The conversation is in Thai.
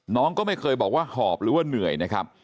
น้องก็ไม่เคยบอกว่าหอบหรือว่าเหนื่อยนะครับ